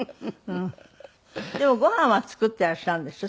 でもご飯は作っていらっしゃるんでしょ？